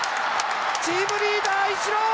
チームリーダーイチロー